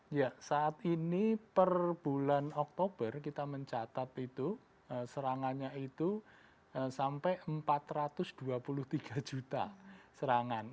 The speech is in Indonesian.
iya saat ini per bulan oktober kita mencatat itu serangannya itu sampai empat ratus dua puluh tiga juta serangan